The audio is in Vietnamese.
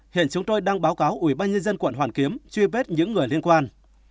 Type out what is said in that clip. hiện chúng tôi đang báo cáo ubnd quận hoàn kiếm truy vết những người liên quan